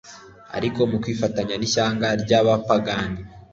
ariko mu kwifatanya n'ishyanga ry'abapagani